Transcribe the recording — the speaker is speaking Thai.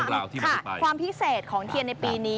ค่ะความพิเศษของเทียนในปีนี้